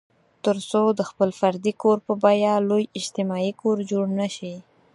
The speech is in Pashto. تر څو د خپل فردي کور په بیه لوی اجتماعي کور جوړ نه شي.